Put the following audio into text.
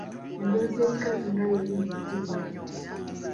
Embozi y'ekikazi nga yeli mu ddiiro.